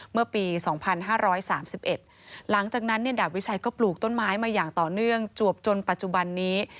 เมื่อปี๒๕๓๑หลังจากนั้นดาบวิชัยก็ปลูกต้นไม้มาอย่างต่อเนื่องจวบจนปัจจุบันนี้